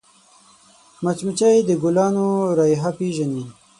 مچمچۍ د ګلونو رایحه پېژني